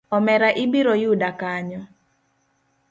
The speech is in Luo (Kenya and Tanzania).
Omera ibiro yuda kanyo.